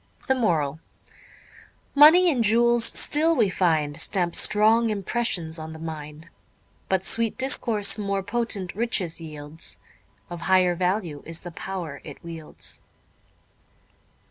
The Moral _Money and jewels still, we find, Stamp strong impressions on the mind. But sweet discourse more potent riches yields; Of higher value is the pow'r it wields.